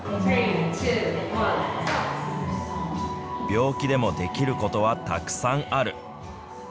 病気でもできることはたくさんある。